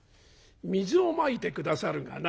水をまいて下さるがな